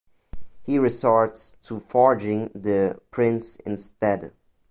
He resorts to forging the prints instead.